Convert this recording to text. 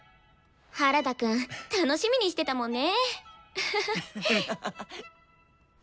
原田くん楽しみにしてたもんね。